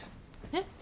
えっ？